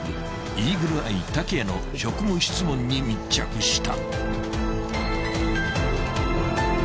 イーグルアイ竹谷の職務質問に密着した］